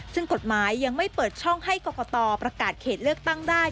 ซึ่งกฎหมายยังไม่เปิดช่องให้กรกตประกาศเขตเลือกตั้งได้